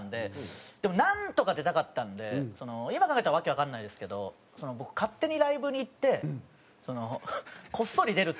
でもなんとか出たかったんで今考えたら訳わかんないですけど僕勝手にライブに行ってこっそり出る？